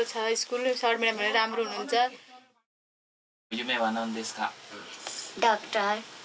夢は何ですか？